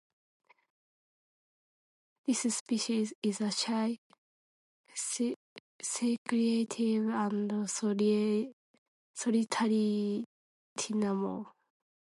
This species is a shy, secretive and solitary tinamou.